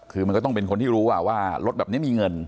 คือมันก็ต้องเป็นคนที่รู้ว่ารถแบบนี้มีเงิน